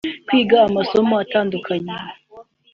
kwiga amasomo atandukanye